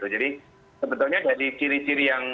sebetulnya dari ciri ciri yang